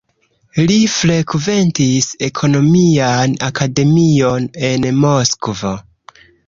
Li frekventis ekonomian akademion en Moskvo.